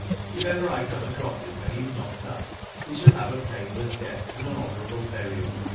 If ever I come across him when he is knocked up, he shall have a painless death, and an honourable burial.